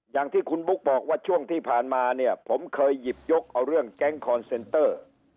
อย่างที่คุณบุ๊กบอกว่าช่วงที่ผ่านมาเนี่ยผมเคยหยิบยกเอาเรื่องแก๊งคอนเซนเตอร์